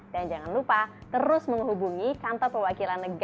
dan jangan lupa terus menghubungi kantor pewakilan